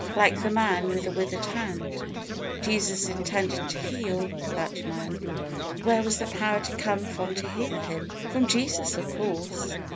Like the man with the withered hand Jesus intended to heal that man. Where was the power to come from to heal him? From Jesus, of course.